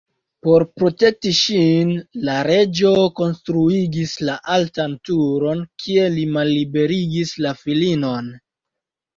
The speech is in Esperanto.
Por protekti ŝin, la reĝo konstruigis la altan turon kie li malliberigis la filinon.